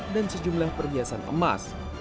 dan sejumlah perhiasan emas